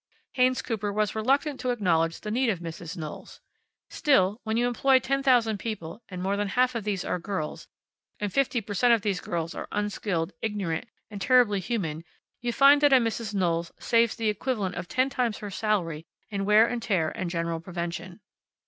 Haynes Cooper was reluctant to acknowledge the need of Mrs. Knowles. Still, when you employ ten thousand people, and more than half of these are girls, and fifty per cent of these girls are unskilled, ignorant, and terribly human you find that a Mrs. Knowles saves the equivalent of ten times her salary in wear and tear and general prevention.